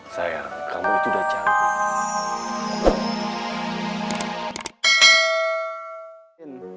sayang kamu itu udah jahat